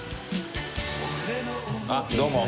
あっどうも。